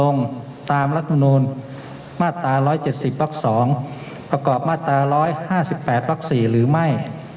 มาตราเราจะสิบหลักสองประกอบมาตราร้อยห้าสิบแปดหลักสี่หรือไม่